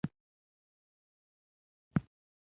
دوى دښمني ته بدي وايي.